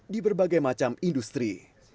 di berbagai macam industri